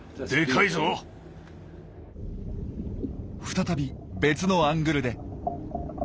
再び別のアングルで。